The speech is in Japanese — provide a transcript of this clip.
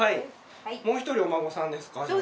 もう一人お孫さんですか？